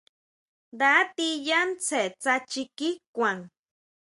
Nda tí yá tsjen tsá chikín kuan.